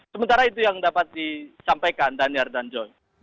sementara itu yang dapat disampaikan daniela dan jon